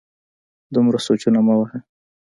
دومره سوچونه مه وهه